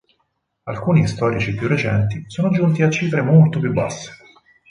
Alcuni storici più recenti sono giunti a cifre molto più basse.